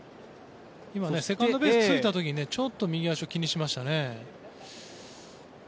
セカンドベースについた時にちょっと右足を気にしましたね。